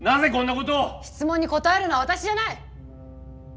質問に答えるのは私じゃない！